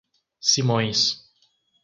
Simões